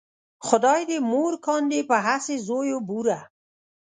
خدای دې مور کاندې په هسې زویو بوره